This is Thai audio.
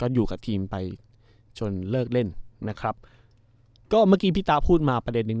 อยู่กับทีมไปจนเลิกเล่นนะครับก็เมื่อกี้พี่ตาพูดมาประเด็นนึง